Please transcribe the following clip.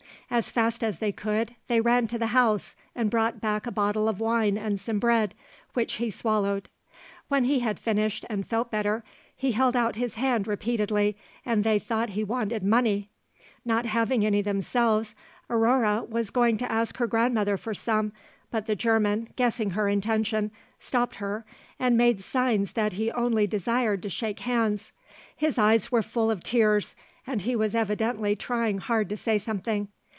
As fast as they could, they ran to the house and brought back a bottle of wine and some bread, which he swallowed. When he had finished, and felt better, he held out his hand repeatedly and they thought he wanted money. Not having any themselves, Aurore was going to ask her grandmother for some, but the German, guessing her intention, stopped her, and made signs that he only desired to shake hands. His eyes were full of tears, and he was evidently trying hard to say something.